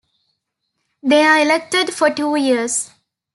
They are elected for two years.